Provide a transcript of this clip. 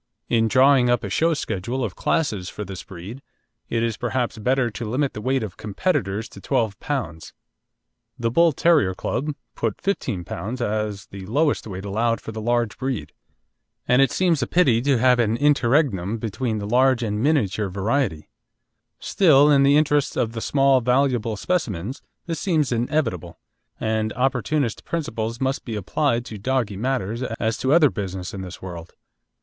In drawing up a show schedule of classes for this breed it is perhaps better to limit the weight of competitors to 12 lb. The Bull terrier Club put 15 lb. as the lowest weight allowed for the large breed, and it seems a pity to have an interregnum between the large and miniature variety; still, in the interests of the small valuable specimens, this seems inevitable, and opportunist principles must be applied to doggy matters as to other business in this world.